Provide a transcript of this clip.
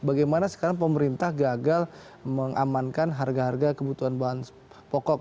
bagaimana sekarang pemerintah gagal mengamankan harga harga kebutuhan bahan pokok